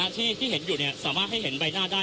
ที่เห็นอยู่สามารถให้เห็นใบหน้าได้